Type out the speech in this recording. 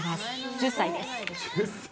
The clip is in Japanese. １０歳です。